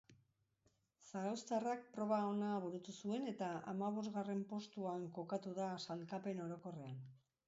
Zarauztarrak proba ona burutu zuen eta hamabosgarren postuan kokatu da sailkapen orokorrean.